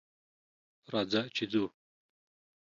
راځه ! چې ځو.